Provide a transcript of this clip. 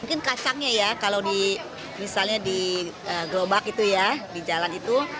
mungkin kacangnya ya kalau misalnya di gelobak itu ya di jalan itu enaknya sih sama